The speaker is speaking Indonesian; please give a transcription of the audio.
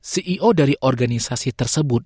ceo dari organisasi tersebut